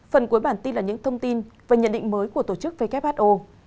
phần cuối bản tin là những thông tin và nhận định mới của tổ chức who